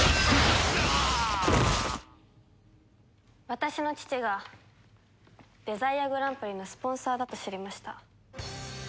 私の父がデザイアグランプリのスポンサーだと知りました。